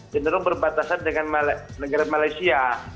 cenderung berbatasan dengan negara malaysia